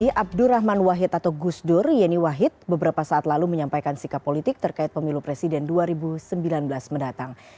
di abdurrahman wahid atau gusdur yeni wahid beberapa saat lalu menyampaikan sikap politik terkait pemilu presiden dua ribu sembilan belas mendatang